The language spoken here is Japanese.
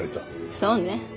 そうね。